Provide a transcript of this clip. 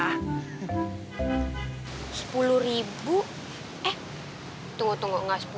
sepuluh ribu eh tunggu tunggu gak sepuluh ribu